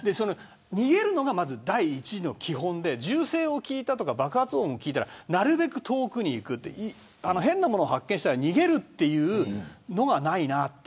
逃げるのが第一の基本で銃声を聞いたり爆発音を聞いたらなるべく遠くに行く変なものを見つけたら逃げるというのがないなと。